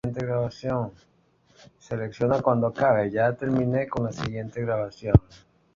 Esta fuente está ubicada en la faldas del Castillo del Hierro.